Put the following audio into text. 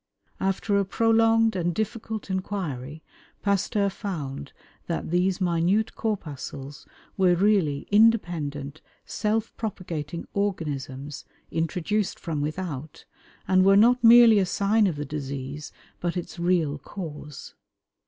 After a prolonged and difficult inquiry, Pasteur found that these minute corpuscles were really independent, self propagating organisms, introduced from without, and were not merely a sign of the disease, but its real cause.